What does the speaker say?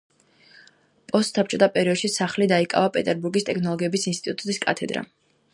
პოსტსაბჭოთა პერიოდში სახლი დაიკავა პეტერბურგის ტექნოლოგიების ინსტიტუტის კათედრამ.